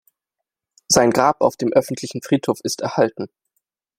Sein Grab auf dem örtlichen Friedhof ist erhalten.